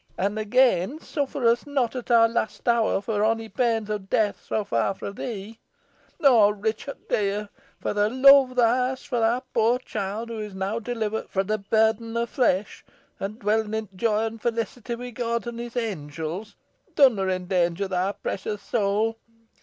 An again, 'Suffer us not at our last hour, for onny pains o' death, to fa' fro thee.' Oh Ruchot, dear! fo' the love theaw hadst fo' thy poor chilt, who is now delivert fro' the burthen o' th' flesh, an' dwellin' i' joy an felicity wi' God an his angels, dunna endanger thy precious sowl.